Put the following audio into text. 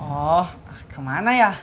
oh kemana ya